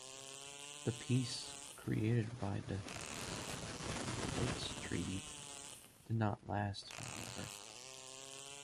The peace created by the Bates Treaty did not last, however.